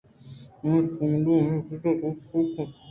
بلے سانڈ ءَ ہمے پسّہ دات پہل کن